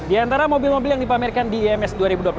di antara mobil mobil yang dipamerkan di ims dua ribu dua puluh tiga